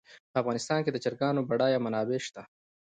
په افغانستان کې د چرګانو بډایه منابع شته.